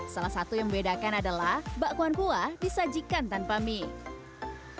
salah satu yang membedakan adalah bakwan kuah disajikan tanpa mie